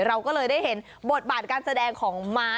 เราก็เลยได้เห็นบทบาทการแสดงของม้า